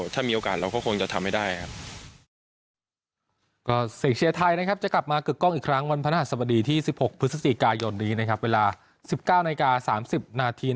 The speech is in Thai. ถ้ามีโอกาสเราก็คงจะทำให้ได้ครับ